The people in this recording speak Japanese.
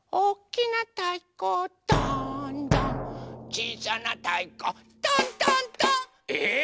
「ちいさなたいこ」「トントントン」えっ⁉